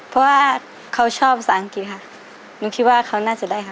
เพราะว่าเขาชอบภาษาอังกฤษค่ะหนูคิดว่าเขาน่าจะได้ค่ะ